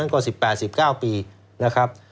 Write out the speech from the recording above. ก็๑๘๑๙ปีนะครับ